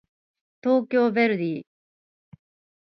東京ヴェルディ